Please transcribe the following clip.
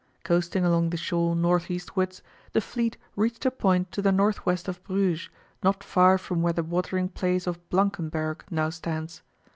Coasting along the shore north eastwards, the fleet reached a point to the north west of Bruges, not far from where the watering place of Blankenberg now stands.